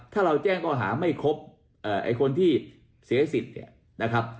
ถ้าเราแจ้งก็หาไม่ครบไอ้คนที่เสียสิทธิ์เนี่ยนะครับ